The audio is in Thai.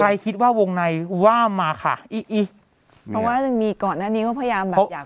ใครคิดว่าวงในว่ามาค่ะอิอิเพราะว่ามีก่อนหน้านี้เค้าพยายามแบบอยากพูด